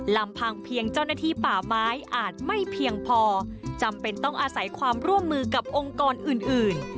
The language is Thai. ลำพังเพียงเจ้าหน้าที่ป่าไม้อาจไม่เพียงพอจำเป็นต้องอาศัยความร่วมมือกับองค์กรอื่น